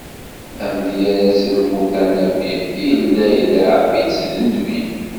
Amedyaz Lmutanabbi, yella ileɛɛeb-itt d nnbi.